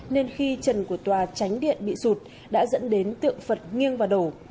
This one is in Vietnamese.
nên khi trần của tòa tránh điện bị sụt đã dẫn đến tượng phật nghiêng và đổ